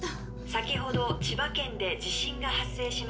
「先ほど千葉県で地震が発生しました」